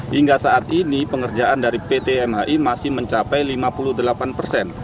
hingga saat ini pengerjaan dari pt mhi masih mencapai lima puluh delapan persen